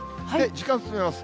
時間進めます。